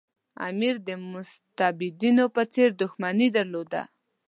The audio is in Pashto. امیر د مستبدینو په څېر دښمني درلوده.